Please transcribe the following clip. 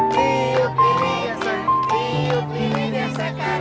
diperl kijken sama pendengar